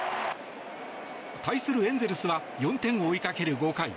対するエンゼルスは４点を追いかける５回。